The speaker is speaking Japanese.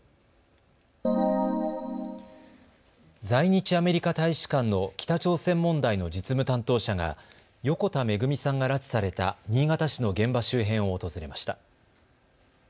在日アメリカ大使館の北朝鮮問題の実務担当者が横田めぐみさんが拉致された新潟市の現場周辺を訪れました。